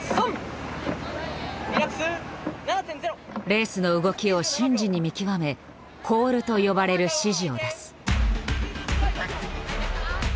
レースの動きを瞬時に見極め「コール」と呼ばれる指示を出す。